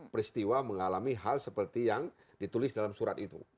peristiwa mengalami hal seperti yang ditulis dalam surat itu